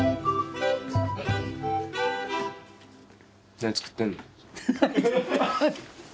何作ってんの？